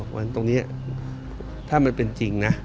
เพราะฉะนั้นตรงนี้ถ้ามันเป็นจริงนะ